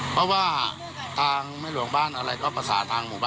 เพราะว่าตาลวงเรื่องนี้แหละก็ประสายง